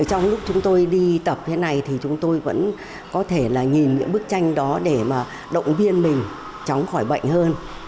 trong lúc chúng tôi đi tập thế này thì chúng tôi vẫn có thể nhìn những bức tranh đó để động viên mình chóng khỏi bệnh hơn